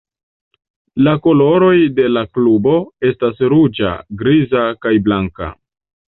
La koloroj de la klubo estas ruĝa, griza, kaj blanka.